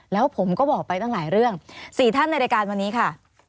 แล้วผมก็บอกไปตั้งหลายเรื่อง๔ท่านในรายการวันนี้ค่ะ